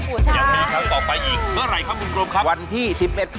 ล่าอีกครั้งต่อไปอีกเพื่ออะไรคุณผู้จบครบ